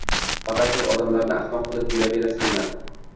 Faqat siz odamlarni ahmoq qilib yuraverasizmi